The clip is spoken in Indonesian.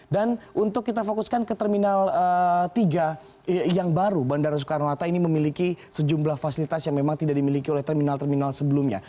dan untuk kita fokuskan ke terminal tiga yang baru bandara soekarno hatta ini memiliki sejumlah fasilitas yang memang tidak dimiliki oleh terminal terminal sebelumnya